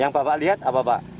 yang bapak lihat apa pak